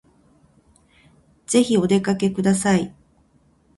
ぜひお出かけください